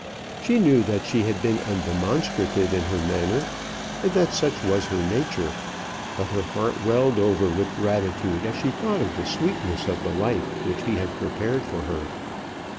She knew that she had been undemonstrative in her manner, and that such was her nature. But her heart welled over with gratitude as she thought of the sweetness of the life which he had prepared for her.